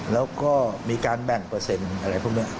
แล้วก็มีการแบ่งเปอร์เซ็นต์อะไรพวกนี้